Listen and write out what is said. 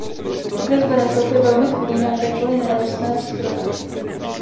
Okres Benešov je velmi chudý na jakékoliv nerostné zdroje.